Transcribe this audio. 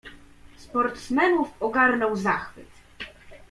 "Sportsmenów ogarnął zachwyt."